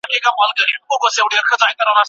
د ارغنداب سیند اوبه د وچو موسمونو لپاره زیرمه کېږي.